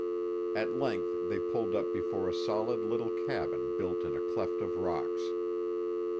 At length they pulled up before a solid little cabin built in a cleft of rocks.